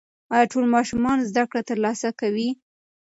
ایا ټول ماشومان زده کړه ترلاسه کوي؟